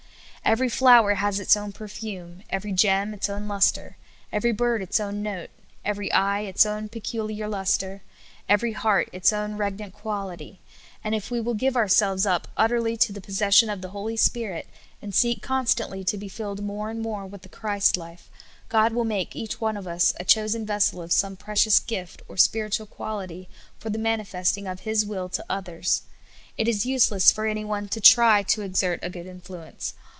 Every flower has it own perfume, every gem its own lustre, every bird its own note, every e3^e its own peculiar lustre, ever}' heart its own regnant quality ; and if we will give ourselves up utterl} to the posses sion of the Hoh^ Spirit, and seek constantly to be filled more and more with the Christ life, God will make each one of us a chosen vessel of some precious gift or spiritual quality for the manifesting of His wall to others. It is useless for any one to try to exert a good influence.